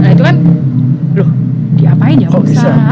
nah itu kan loh diapain ya maksudnya